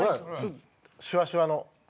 シュワシュワの水で。